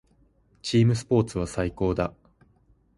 チームスポーツは最高だ。